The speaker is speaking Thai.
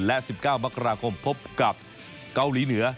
และ๑๙มกราคมพบกับเกาหลีเหนือ